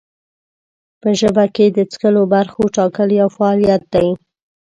په ژبه کې د څکلو برخو ټاکل یو فعالیت دی.